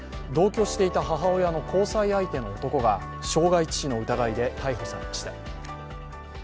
同居していた母親の交際相手の男が傷害致死の疑いで逮捕されました。